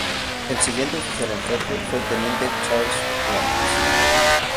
El siguiente oficial en jefe fue el teniente Charles Wilkes.